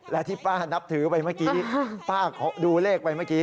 และที่ป้านับถือไปเมื่อกี้ป้าขอดูเลขไปเมื่อกี้